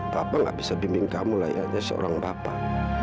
bapak gak bisa bimbing kamu layaknya seorang bapak